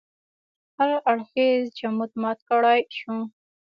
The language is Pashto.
هر اړخیز جمود مات کړای شو.